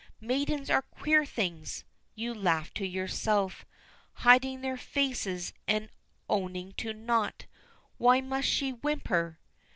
"Maidens are queer things," you laugh to yourself, "Hiding their faces and owning to naught; Why must she whimper?